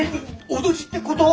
脅しってこと！？